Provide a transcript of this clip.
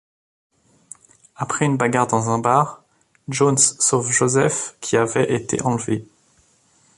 Après une bagarre dans un bar, Jones sauve Joseph qui avait été enlevé.